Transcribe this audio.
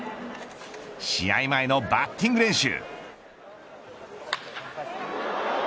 試合前のバッティング練習。